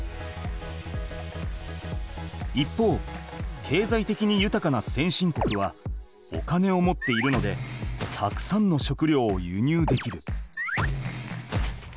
一方けいざいてきにゆたかな先進国はお金を持っているのでたくさんの食料を輸入できる。